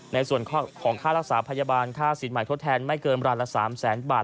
ในส่วนของค่ารักษาพยาบาลค่าสินใหม่ทดแทนไม่เกินรายละ๓แสนบาท